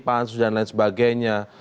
pansus dan lain sebagainya